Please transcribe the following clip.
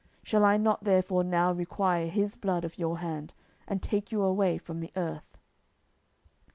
shall I not therefore now require his blood of your hand, and take you away from the earth?